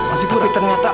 masih lebih ternyata